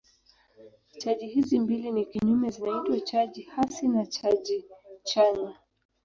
Chaji hizi mbili ni kinyume zinaitwa chaji hasi na chaji chanya.